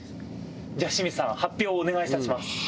じゃあ清水さん発表をお願いいたします。